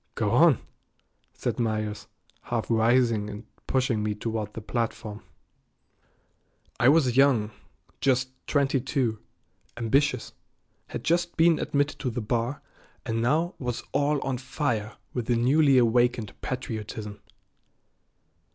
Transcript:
"Go on," said Myers, half rising and pushing me toward the platform. I was young, just twenty two, ambitious, had just been admitted to the bar, and now was all on fire with the newly awakened patriotism.